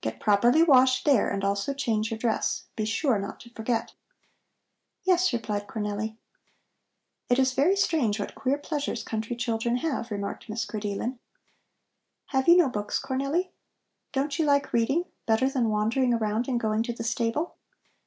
Get properly washed there and also change your dress. Be sure not to forget." "Yes," replied Cornelli. "It is very strange what queer pleasures country children have," remarked Miss Grideelen. "Have you no books, Cornelli? Don't you like reading better than wandering around and going to the stable?"